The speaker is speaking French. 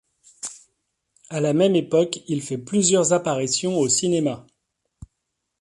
A la même époque il fait plusieurs apparitions au cinéma.